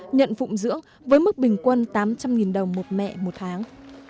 nhận phụng dưỡng với mức bình quân tám trăm linh đồng một mẹ một tháng